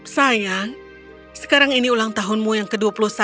sayang sekarang ini ulang tahunmu yang ke dua puluh satu